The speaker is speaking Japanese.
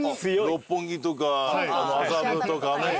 六本木とか麻布とか。